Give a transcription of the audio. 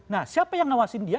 nah siapa yang ngawasin dia